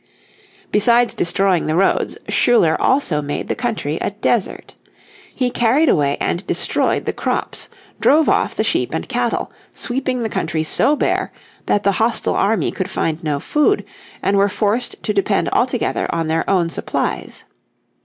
Besides destroying the roads Schuyler also made the country a desert. He carried away and destroyed the crops, drove off the sheep and cattle, sweeping the country so bare that the hostile army could find no food, and were forced to depend altogether on their own supplies.